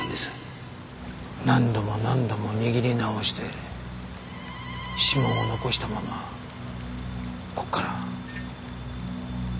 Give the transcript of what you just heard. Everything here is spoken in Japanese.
何度も何度も握り直して指紋を残したままここから。